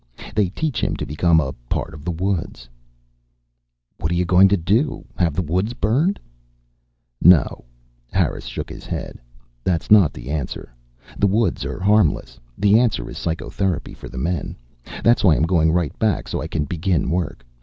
They 'teach' him to become a part of the woods." "What are you going to do? Have the woods burned?" "No." Harris shook his head. "That's not the answer; the woods are harmless. The answer is psychotherapy for the men. That's why I'm going right back, so I can begin work.